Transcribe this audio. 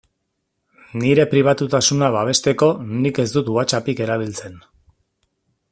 Nire pribatutasuna babesteko nik ez dut WhatsAppik erabiltzen.